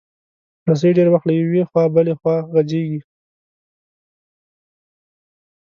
رسۍ ډېر وخت له یوې خوا بله خوا غځېږي.